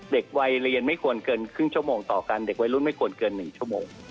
เด็กวัยเรียนไม่ควรเกินครึ่งชั่วโมงต่อกันเด็กวัยรุ่นไม่ควรเกิน๑ชั่วโมง